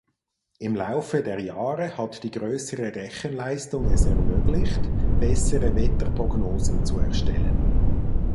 Im Laufe der Jahre hat die größere Rechenleistung es ermöglicht bessere Wetterprognosen zu erstellen.